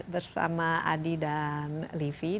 bersama adi dan levin